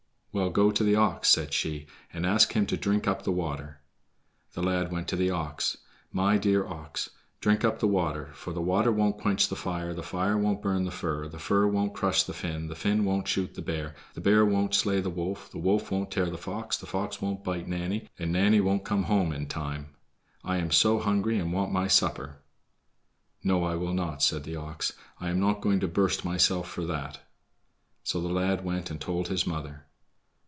"Well, go to the ox," said she, "and ask him to drink up the water." The lad went to the ox. "My dear ox, drink up the water, for the water won't quench the fire, the fire won't burn the fir, the fir won't crush the Finn, the Finn won't shoot the bear, the bear won't slay the wolf, the wolf won't tear the fox, the fox won't bite Nanny, and Nanny won't come home in time. I am so hungry and want my supper." "No, I will not," said the ox; "I am not going to burst myself for that." So the lad went and told his mother.